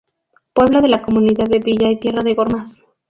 Pueblo de la Comunidad de Villa y Tierra de Gormaz.